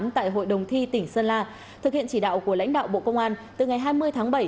tại hội đồng thi tỉnh sơn la thực hiện chỉ đạo của lãnh đạo bộ công an từ ngày hai mươi tháng bảy